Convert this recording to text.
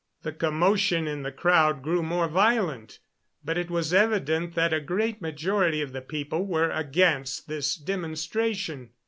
The commotion in the crowd grew more violent, but it was evident that a great majority of the people were against this demonstration.